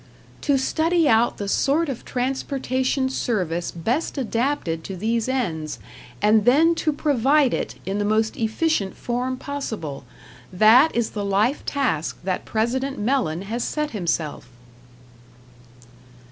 "To study out the sort of transportation service best adapted to these ends, and then to provide it in the most efficient form possible, that is the life task that President Mellen has set himself."